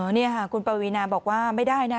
นี่ค่ะคุณปวีนาบอกว่าไม่ได้นะ